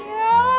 gue lagi mandi da